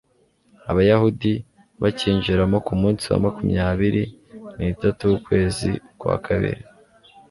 abayahudi bacyinjiramo ku munsi wa makumyabiri n'itatu w'ukwezi kwa kabili